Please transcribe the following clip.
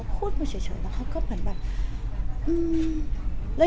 พูดเบื่อเฉยแล้วแบบ